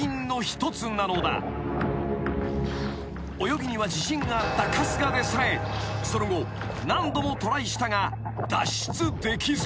［泳ぎには自信があった春日でさえその後何度もトライしたが脱出できず］